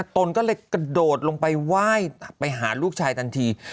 ตนก็เลยกระโดดลงไปไหว้ไปหาลูกชายทันที